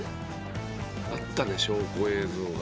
「あったね証拠映像が」